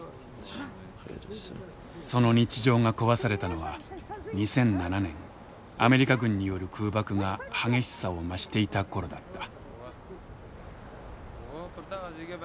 その日常が壊されたのは２００７年アメリカ軍による空爆が激しさを増していた頃だった。